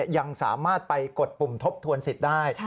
ยังสามารถไปกดปุ่มทบทวนสิทธิ์ได้